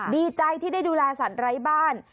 ดีใจที่ได้ดูแลสัตว์ไร้บ้าน